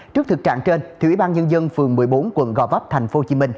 trước thực trạng trên ủy ban nhân dân phường một mươi bốn quận gò vấp tp hcm